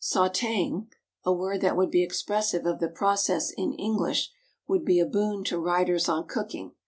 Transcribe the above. Sautéing (a word that would be expressive of the process in English would be a boon to writers on cooking).